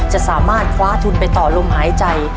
จะสามารถคว้าทุนไปต่อลมหายใจ